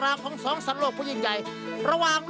และคู่อย่างฉันวันนี้มีความสุขจริง